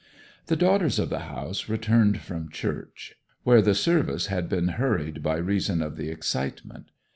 The daughters of the house returned from church, where the service had been hurried by reason of the excitement.